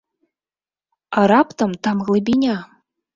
А раптам там глыбіня?